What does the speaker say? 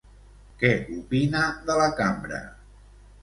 Què opina de la cambra?